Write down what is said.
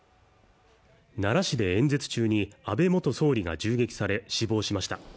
奈良市で演説中に安倍元総理が銃撃され死亡しました